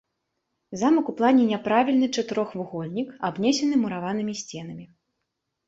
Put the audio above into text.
Замак у плане няправільны чатырохвугольнік, абнесены мураванымі сценамі.